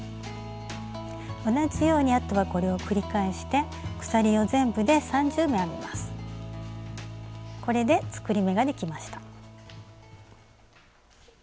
同じようにあとはこれを繰り返してこれで作り目ができました。